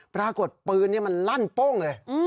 ปรากฏปืนนี่มันลั่นโป้งเลย